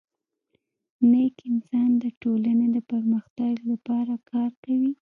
نیک انسان د ټولني د پرمختګ لپاره کار کوي.